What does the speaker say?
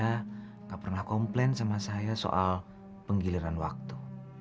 tidak pernah komplain sama saya soal penggiliran waktu